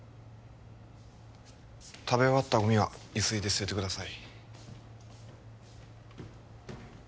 食べ終わったゴミはゆすいで捨ててください